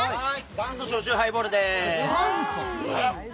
元祖焼酎ハイボールです。